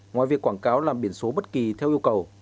ngoài việc quảng cáo làm biển số bất kỳ theo yêu cầu